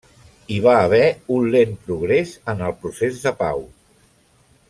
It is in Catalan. Hi va haver un lent progrés en el procés de pau.